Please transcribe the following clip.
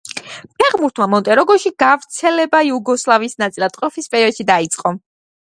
ფეხბურთმა მონტენეგროში გავრცელება იუგოსლავიის ნაწილად ყოფნის პერიოდში დაიწყო.